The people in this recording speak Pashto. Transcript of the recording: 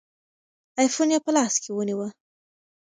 آیفون یې په لاس کې ونیوه.